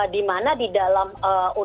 dimana di dalam undang undang cipta kerja